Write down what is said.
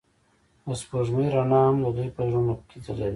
د سپوږمۍ رڼا هم د دوی په زړونو کې ځلېده.